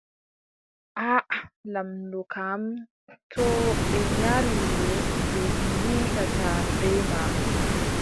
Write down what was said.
Aaʼa., Lamɗo kam, too ɓe nyari wuro, ɓe ngiidaata bee maako.